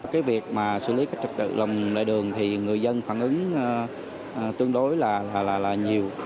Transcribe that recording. cái việc xử lý các trật tự lòng lệ đường thì người dân phản ứng tương đối là nhiều